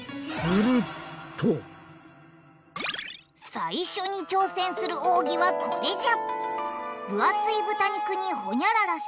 最初に挑戦する奥義はこれじゃ！